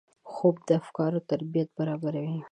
خوب د افکارو ترتیب برابروي